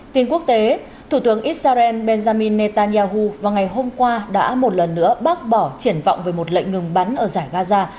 tin quốc tế thủ tướng israel benjamin netanyahu vào ngày hôm qua đã một lần nữa bác bỏ triển vọng về một lệnh ngừng bắn ở giải gaza